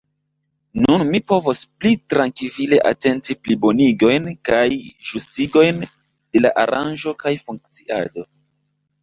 Nun ni povos pli trankvile atenti plibonigojn kaj ĝustigojn de la aranĝo kaj funkciado.